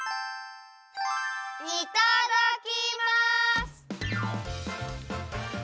いただきます！